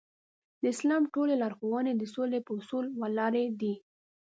د اسلام ټولې لارښوونې د سولې په اصول ولاړې دي.